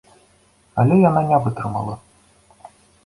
Але яна не вытрымала.